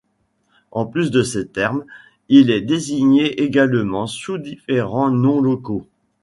En plus de ce terme, il est désigné également sous différents noms locaux.